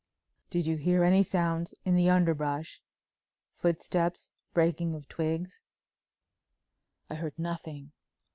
"Did you hear any sounds in the underbrush—footsteps, breaking of twigs?" "I heard nothing.